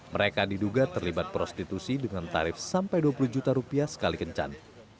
mereka diduga terlibat prostitusi dengan tarif sampai dua puluh juta rupiah sekali kencan